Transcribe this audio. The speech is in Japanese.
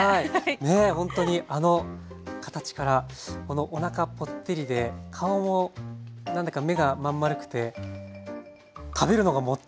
ねえほんとにあの形からおなかぽってりで顔も何だか目が真ん丸くて食べるのがもったいない感じしますね。